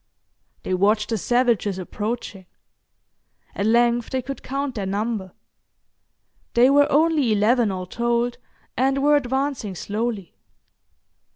They watched the savages approaching; at length they could count their number. They were only eleven all told, and were advancing slowly.